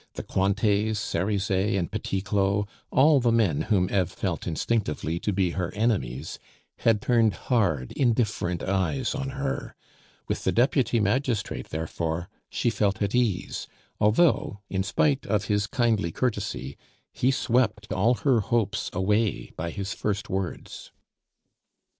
The Cointets, Cerizet, and Petit Claud all the men whom Eve felt instinctively to be her enemies had turned hard, indifferent eyes on her; with the deputy magistrate, therefore, she felt at ease, although, in spite of his kindly courtesy, he swept all her hopes away by his first words.